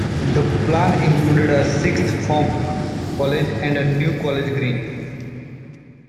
The plan included a sixth form college and a new college green.